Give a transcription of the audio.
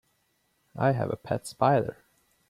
I have a pet spider.